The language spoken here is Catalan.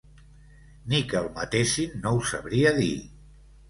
Ni que el matessin no ho sabria dir.